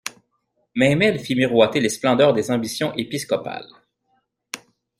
Même elle fit miroiter les splendeurs des ambitions épiscopales.